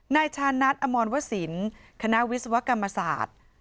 นายชานัทอมรวสินคณะวิศวกรรมศาสตร์